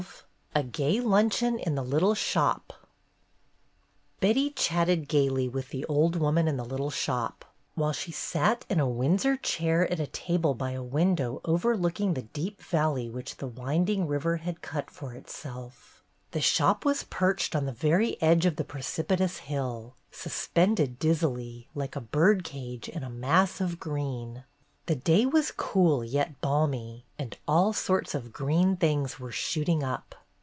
XII A GAY LUNCHEON IN THE LITTLE SHOP B etty chatted gayly with the old woman ) in the little shop, while she sat in a Windsor chair at a table by a window overlooking the deep valley which the winding river had cut for itself. The shop was perched on the very edge of the precipitous hill, sus pended dizzily, like a bird cage in a mass of green. The day was cool yet balmy, and all sorts of green things were shooting up.